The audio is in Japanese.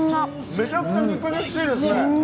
めちゃめちゃ肉々しいですね。